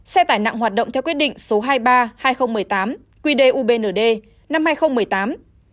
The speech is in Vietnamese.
xe tải nặng hoạt động theo quyết định số hai mươi ba hai nghìn một mươi tám quy đề ubnd năm hai nghìn một mươi tám